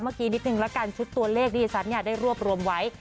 เมื่อกี้นิดนึงละกันชุดตัวเลขที่ดิฉันได้รวบรวมไว้